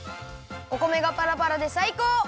お米がパラパラでさいこう！